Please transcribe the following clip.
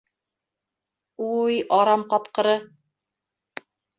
Уй арам ҡатҡыры!